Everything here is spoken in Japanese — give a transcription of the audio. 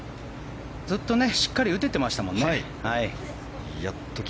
ずっとしっかり打ててましたもんね。